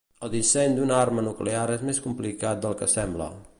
El disseny d'una arma nuclear és més complicat del que sembla.